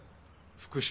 福島。